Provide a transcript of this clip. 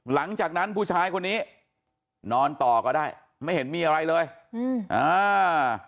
หลังจากนั้นผู้ชายคนนี้นอนต่อก็ได้ไม่เห็นมีอะไรเลยอืมอ่า